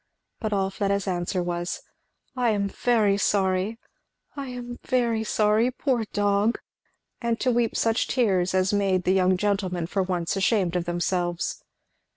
But all Fleda's answer was, "I am very sorry! I am very sorry! poor dog!!" and to weep such tears as made the young gentlemen for once ashamed of themselves.